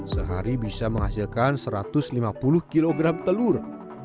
sehari bisa menghasilkan satu ratus lima puluh kg telur